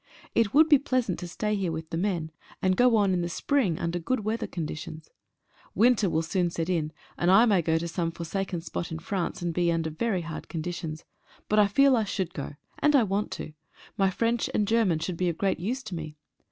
It would be pleasant to stay heie with the men, and go on in the spring under good weather conditions. Winter will soon set in, and I may go to some forsaken spot in France, and be under very hard conditions. But I feel I should go, and I want to. My French and German should be of great use to me.